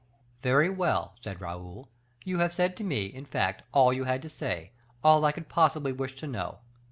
"Very well," said Raoul. "You have said to me, in fact, all you had to say; all I could possibly wish to know.